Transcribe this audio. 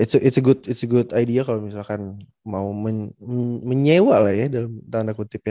tapi ya it s a good idea kalo misalkan mau menyewa lah ya dalam tanda kutip ya